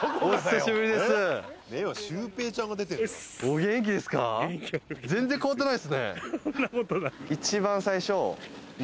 そんなことない。